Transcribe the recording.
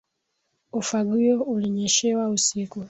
Ufagio ulinyeshewa usiku